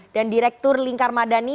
dan direktur lingkar madani